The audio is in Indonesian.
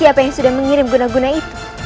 siapa yang sudah mengirim guna guna itu